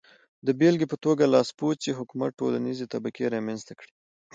د بېلګې په توګه لاسپوڅي حکومت ټولنیزې طبقې رامنځته کړې.